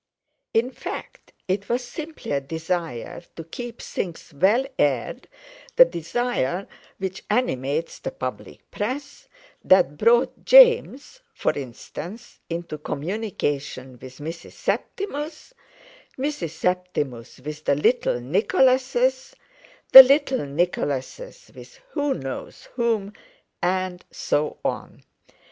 In fact, it was simply a desire to keep things well aired, the desire which animates the Public Press, that brought James, for instance, into communication with Mrs. Septimus, Mrs. Septimus, with the little Nicholases, the little Nicholases with who knows whom, and so on.